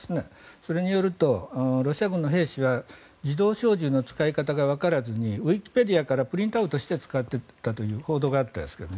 それによると、ロシア軍の兵士は自動小銃の使い方がわからずにウィキペディアからプリントアウトして使っていたという報道があったんですけどね。